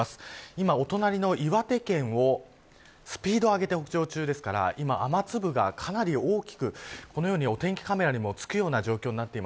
今、お隣の岩手県をスピードを上げて北上中ですから雨粒が、かなり大きくこのようにお天気カメラにも付くような状況です。